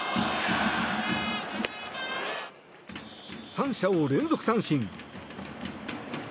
３者を連続三振。